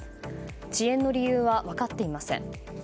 遅延の理由は分かっていません。